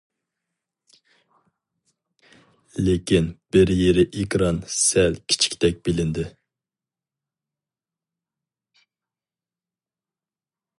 لېكىن بىر يېرى ئېكران سەل كىچىكتەك بىلىندى.